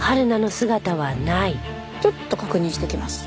ちょっと確認してきます。